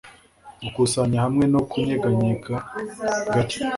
Gukusanya hamwe no kunyeganyega gake